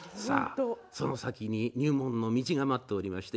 その先に入門の道が待っておりました。